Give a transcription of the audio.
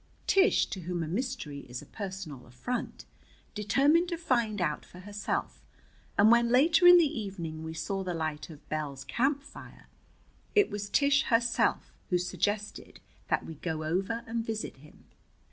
Tish, to whom a mystery is a personal affront, determined to find out for herself; and when later in the evening we saw the light of Bell's camp fire, it was Tish herself who suggested that we go over and visit with him.